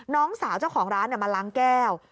น้องสาวเจ้าของร้านมาล้างแก้ว